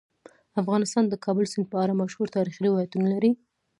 افغانستان د کابل سیند په اړه مشهور تاریخی روایتونه لري.